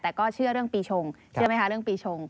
แต่ก็เชื่อเรื่องปีชงเชื่อไหมคะเรื่องปีชง